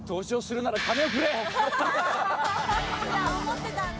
普段思ってたんだ。